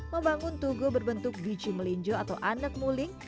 membangun tugu berbentuk biji melinjo atau anak muling